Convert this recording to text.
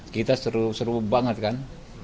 kita seru seru banget kan